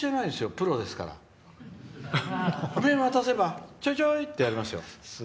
プロですから、笛を渡せばちょいちょいとやりますよ。